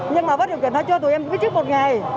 nhưng mà vất điều kiện thôi cho tụi em biết trước một ngày